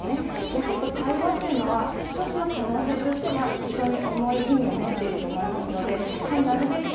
やはり対話というのは１つの可能性としては非常に重い意味を持っていると思いますのでなるべく